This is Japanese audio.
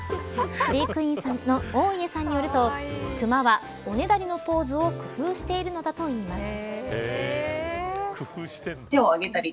飼育員の大家さんによるとクマは、おねだりのポーズを工夫しているのだといいます。